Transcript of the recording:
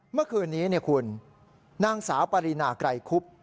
เมื่อคืนนี้คุณนางสาวปรินาไกรคุบ